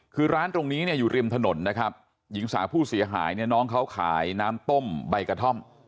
คือร้านตรงนี้เนี่ยอยู่ริมถนนนะครับหญิงสาวผู้เสียหายเนี่ยน้องเขาขายน้ำต้มใบกระท่อม